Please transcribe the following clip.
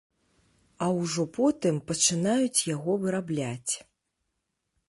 А ўжо потым пачынаюць яго вырабляць.